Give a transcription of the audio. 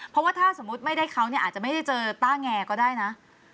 เพราะว่าถ้าสมมุติไม่ได้เขาเนี่ยอาจจะไม่ได้เจอต้าแงก็ได้นะ